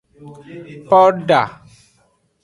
Poda.